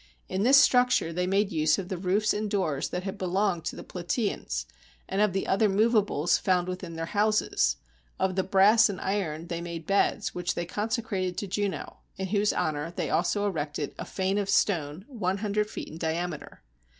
In this structure they made use of the roofs and doors that had belonged to the Plataeans, and of the other movables found within their houses ; of the brass and iron they made beds which they consecrated to Juno, in whose honor they also erected a fane of stone one hundred feet in diameter.